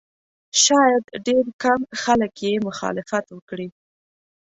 شاید ډېر کم خلک یې مخالفت وکړي.